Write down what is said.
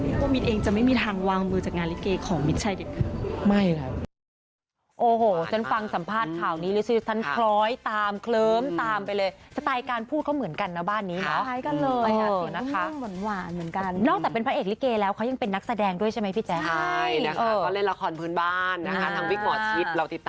กุ้งมินเองจะไม่มีทางวางมือจากงานลิเกของมิดชัยเด็กค่ะ